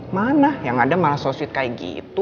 mana yang ada malah societ kayak gitu